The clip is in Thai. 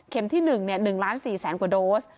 เข็มที่๑เนี่ย๑ล้าน๔แสนกว่าโดส